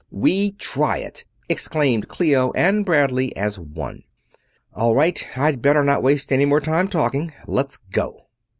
"We try it!" exclaimed Clio and Bradley, as one. "All right. I'd better not waste any more time talking let's go!"